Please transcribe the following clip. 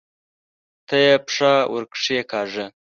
ته یې پښه ورکښېکاږه!